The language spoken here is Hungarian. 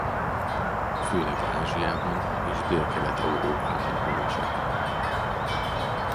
Főleg Ázsiában és Délkelet-Európában honosak.